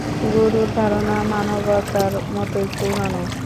গুরুর ধারণা মানবতার মতোই পুরানো।